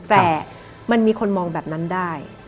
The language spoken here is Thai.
แต่มันมีคนมองแบบนั้นได้